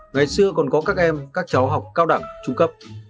ngày xưa còn có các em các cháu học cao đẳng trung cấp